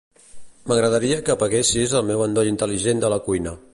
M'agradaria que apaguessis el meu endoll intel·ligent de la cuina.